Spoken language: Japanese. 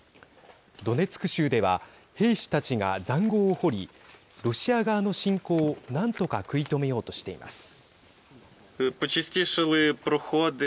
ドネツク州では兵士たちが、ざんごうを掘りロシア側の侵攻を何とか食い止めようとしています。